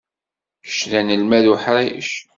Kečč d anelmad uḥric.